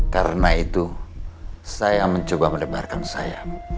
karena itu saya mencoba menebarkan saya